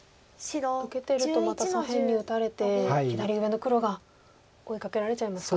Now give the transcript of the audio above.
受けてるとまた左辺に打たれて左上の黒が追いかけられちゃいますか。